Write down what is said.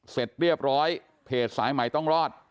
เสร็จเรียบร้อยเพจสายใหม่ต้องรอด